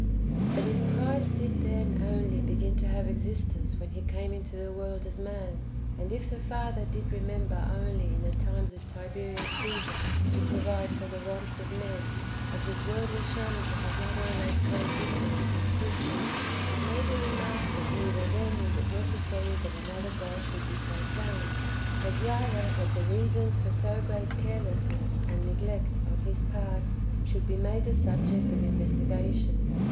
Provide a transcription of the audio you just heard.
2. But if Christ did then [only] begin to have existence when He came [into the world] as man, and [if] the Father did remember [only] in the times of Tiberius Caesar to provide for [the wants of] men, and His Word was shown to have not always coexisted with His creatures ; [it may be remarked that] neither then was it necessary that another God should be proclaimed, but [rather] that the reasons for so great care lessness and neglect on His part should be made the subject of investigation.